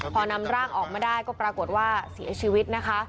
พอนำร่างออกมาได้ก็ปรากฏว่าเสียชีวิตนะคะ